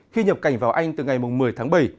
khi nhập cảnh vào anh từ ngày một mươi tháng bảy